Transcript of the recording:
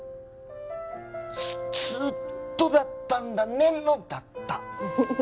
「ずーっとだったんだね」の「だった」。